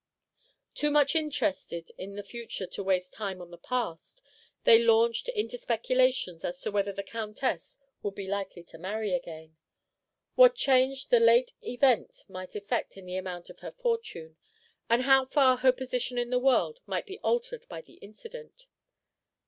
Too much interested in the future to waste time on the past, they launched into speculations as to whether the Countess would be likely to marry again; what change the late event might effect in the amount of her fortune; and how far her position in the world might be altered by the incident.